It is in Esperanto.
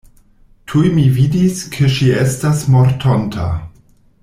Tuj mi vidis, ke ŝi estas mortonta.